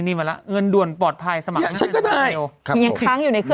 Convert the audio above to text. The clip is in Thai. นี่มาแล้วเงินด่วนปลอดภัยสมัคร